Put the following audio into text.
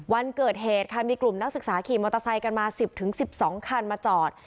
วันเกิดเหตุค่ะมีกลุ่มนักศึกษาขี่มอเตอร์ไซค์กันมา๑๐๑๒คันมาจอด